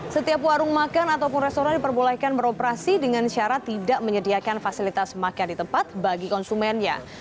setiap warung makan ataupun restoran diperbolehkan beroperasi dengan syarat tidak menyediakan fasilitas makan di tempat bagi konsumennya